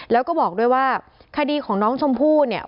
แล้วก็บอกด้วยว่าคดีของน้องชมพู่เนี่ย